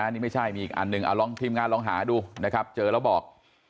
อันนี้มีอีกอันหนึ่งทีมงานลองหาดูนะครับเจอแล้วบอก